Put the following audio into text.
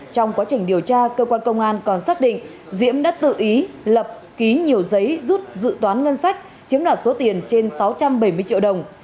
trong quá trình điều tra cơ quan công an còn xác định diễm đã tự ý lập ký nhiều giấy rút dự toán ngân sách chiếm đoạt số tiền trên sáu trăm bảy mươi triệu đồng